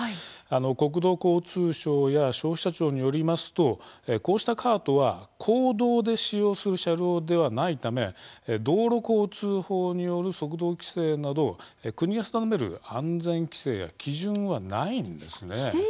国土交通省や消費者庁によりますと、こうしたカートは公道で使用する車両ではないため道路交通法による速度規制など国が定める安全規制や基準はないんです。